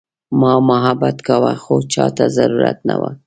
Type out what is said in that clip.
ما محبت کاوه خو چاته ضرورت نه وه.